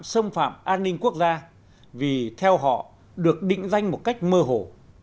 xâm phạm an ninh quốc gia vì theo họ được định danh một cách mơ hồ